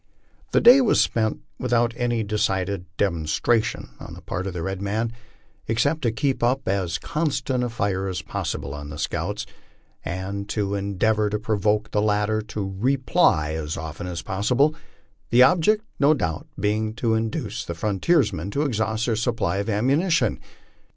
The day was spent without any decided demonstration on the part of the red men, except to keep up as constant a fire as possible on the scouts, and to endeavor to provoke the latter to reply as often as possible, the object, no doubt, being to induce the frontiersmen to exhaust their supply of ammunition.